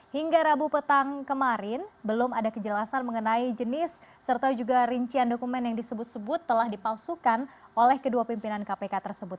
hingga rabu petang kemarin belum ada kejelasan mengenai jenis serta juga rincian dokumen yang disebut sebut telah dipalsukan oleh kedua pimpinan kpk tersebut